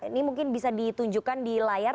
ini mungkin bisa ditunjukkan di layar